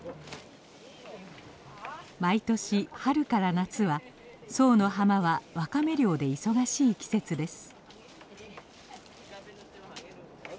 毎年春から夏は左右の浜はワカメ漁で忙しい季節です。